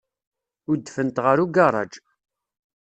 Udfent ɣer ugaṛaj.